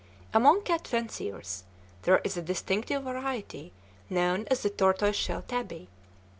Among cat fanciers there is a distinctive variety known as the tortoise shell tabby.